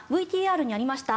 ＶＴＲにありました